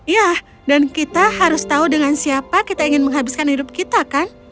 ya dan kita harus tahu dengan siapa kita ingin menghabiskan hidup kita kan